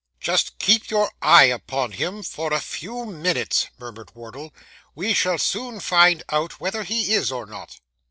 'Just keep your eye upon him for a few minutes,' murmured Wardle. 'We shall soon find out whether he is or not.